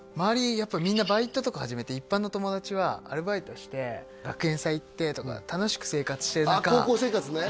やっぱりみんなバイトとか始めて一般の友達はアルバイトして学園祭行ってとか楽しく生活してる中あっ高校生活ね